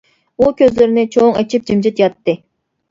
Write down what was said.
ئۇ كۆزلىرىنى چوڭ ئېچىپ جىمجىت ياتتى.